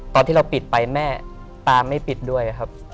ตอนที่เราปิดไปแม่ตาไม่ปิดด้วยครับ